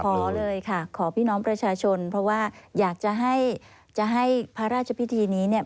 ขอเลยค่ะขอพี่น้องประชาชนเพราะว่าอยากจะให้จะให้พระราชพิธีนี้เนี่ย